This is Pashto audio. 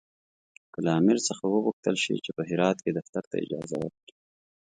که له امیر څخه وغوښتل شي چې په هرات کې دفتر ته اجازه ورکړي.